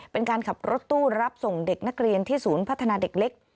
เป็นการขับรถตู้รับส่งเด็กนักเรียนที่ศูนย์พัฒนาเด็กเล็ก